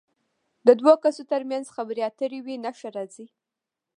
د دوو کسو تر منځ خبرې اترې وي نښه راځي.